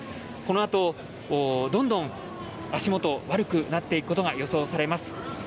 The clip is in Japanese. このあとどんどん、足元悪くなっていくことが予想されます。